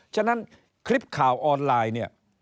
ฉะนั้นคลิปข่าวออนไลน์